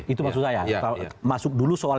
itu maksud saya masuk dulu soal